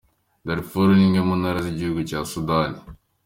Darfour, ni imwe mu ntara z’igihugu cya Sudani.